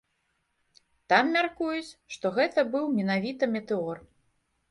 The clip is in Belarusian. Там мяркуюць, што гэта быў менавіта метэор.